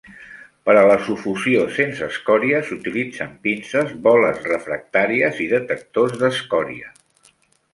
Per a la sufossió sense escòria, s'utilitzen pinces, boles refractàries i detectors d'escòria.